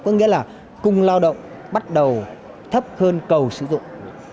có nghĩa là cung lao động bắt đầu thấp hơn cầu sử dụng